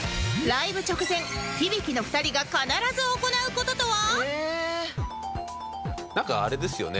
ライブ直前響のお二人が必ず行う事とは？